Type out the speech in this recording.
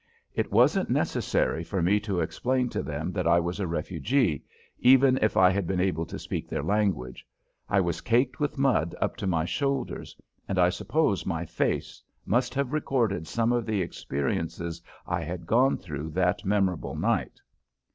It wasn't necessary for me to explain to them that I was a refugee, even if I had been able to speak their language. I was caked with mud up to my shoulders, and I suppose my face must have recorded some of the experiences I had gone through that memorable night.